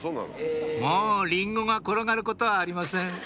もうリンゴが転がることはありません